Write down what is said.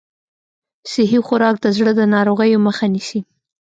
صحي خوراک د زړه د ناروغیو مخه نیسي.